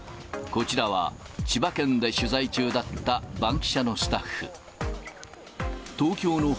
こちらは、千葉県で取材中だったバンキシャのスタッフ。